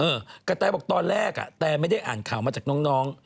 กระแตบอกตอนแรกอ่ะแตไม่ได้อ่านข่าวมาจากน้อง